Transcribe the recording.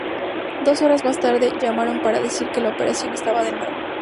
Dos horas más tarde llamaron para decir que la operación estaba de nuevo.